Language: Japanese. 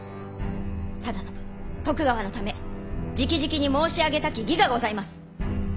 定信徳川のためじきじきに申し上げたき儀がございます！